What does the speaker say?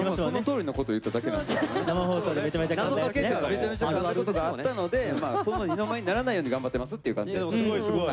めちゃめちゃかんだことがあったのでその二の舞にならないように頑張ってますっていう感じです。